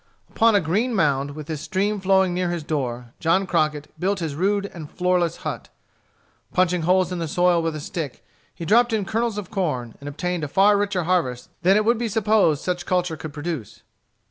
Upon a green mound, with this stream flowing near his door, John Crockett built his rude and floorless hut. Punching holes in the soil with a stick, he dropped in kernels of corn, and obtained a far richer harvest than it would be supposed such culture could produce.